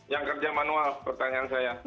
yang kerja manual pertanyaan saya